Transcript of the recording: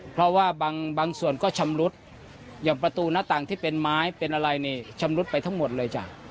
เพราะว่าบางส่วนก็ชำรุดอย่างประตูหน้าต่างที่เป็นไม้เป็นอะไรนี่ชำรุดไปทั้งหมดเลยจ้ะ